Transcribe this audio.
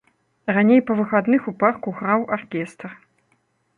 Раней па выхадных у парку граў аркестр.